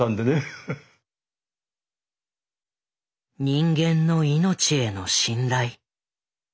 人間の命への信頼。